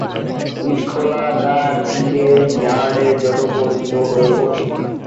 ইটখোলা তার "ইটের ইয়ার্ড" এর জন্য পরিচিত হয়ে ওঠে।